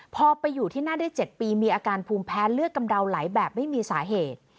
พอไปอยู่ที่นั่นได้๗ปีมีอาการภูมิแพ้เลือดกำเดาไหลแบบไม่มีสาเหตุ